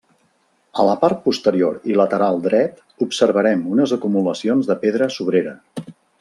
A la part posterior i lateral dret, observarem unes acumulacions de pedra sobrera.